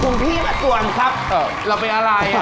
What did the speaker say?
คุ้มพี่ประตูนครับแล้วเป็นอะไร